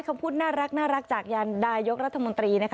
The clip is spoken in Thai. คำพูดน่ารักจากยานนายกรัฐมนตรีนะคะ